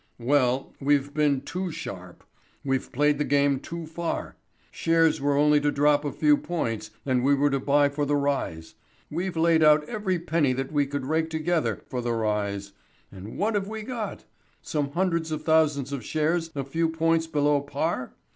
"Well, we've been too sharp. We've played the game too far. Shares were only to drop a few points, and we were to buy for the rise. We've laid out every penny that we could rake together for the rise. And what have we got? Some hundreds of thousands of shares a few points below par?